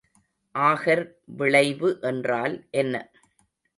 ஆகர் விளைவு என்றால் என்ன?